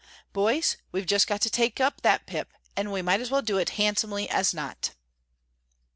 Boys, we've just got to take up that Pip, and we might as well do it handsomely as not."